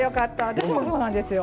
私もそうなんですよ。